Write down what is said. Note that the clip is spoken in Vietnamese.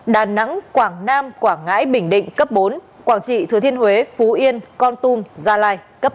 đà nẵng quảng nam quảng ngãi bình định cấp bốn quảng trị thừa thiên huế phú yên con tum gia lai cấp bốn